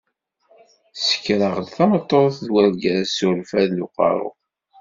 Sekraɣ-d tameṭṭut d urgaz s urfad n uqeṛṛu.